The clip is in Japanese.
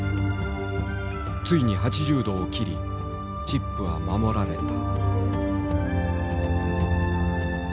ついに８０度を切りチップは守られた。